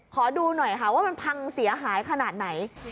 ขอดูหน่อยค่ะว่ามันพังเสียหายขนาดไหน